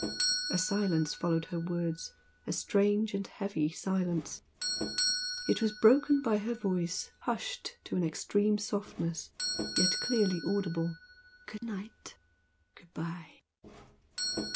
A silence followed her words, a strange and heavy silence. It was broken by her voice hushed to an extreme softness, yet clearly audible. "Good night! good bye!"